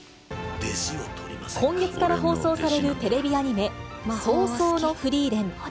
今月から放送されるテレビアニメ、葬送のフリーレン。